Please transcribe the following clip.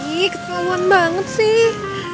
ini ketawa banget sih